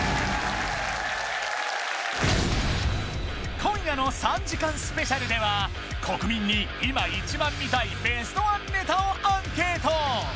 今夜の３時間スペシャルでは国民に今一番見たいベストワンネタをアンケート